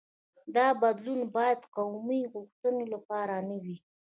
دا بدلون باید قومي غوښتنو لپاره نه وي.